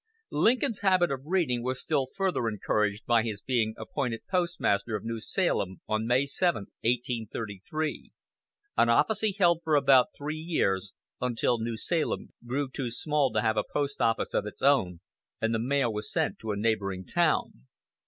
Lincoln's habit of reading was still further encouraged by his being appointed postmaster of New Salem on May 7, 1833, an office he held for about three years until New Salem grew too small to have a post office of its own, and the mail was sent to a neighboring town.